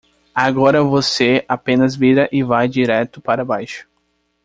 Agora você apenas vira e vai direto para baixo.